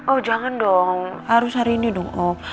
oh jangan dong harus hari ini dong